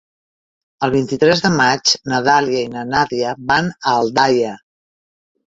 El vint-i-tres de maig na Dàlia i na Nàdia van a Aldaia.